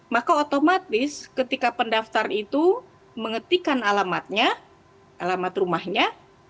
maka otomatis ketika pendaftar itu mengetikan alamatnya alamat rumahnya